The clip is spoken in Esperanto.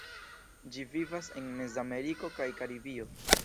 Ĝi vivas en Mezameriko kaj Karibio.